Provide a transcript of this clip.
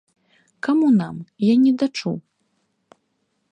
Каму нам, я недачуў?